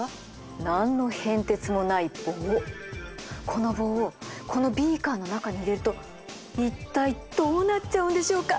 この棒をこのビーカーの中に入れると一体どうなっちゃうんでしょうか？